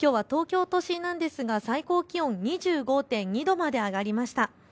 きょうは東京都心ですが最高気温２５．２度まで上がりました。